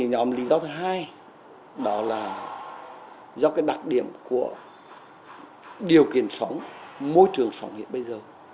nhóm lý do thứ hai đó là do đặc điểm của điều kiện sống môi trường sống hiện bây giờ